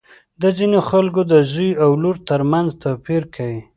د ځینو خلکو د زوی او لور تر منځ توپیر کوي.